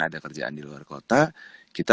ada kerjaan di luar kota kita